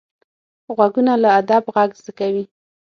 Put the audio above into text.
غوږونه له ادب غږ زده کوي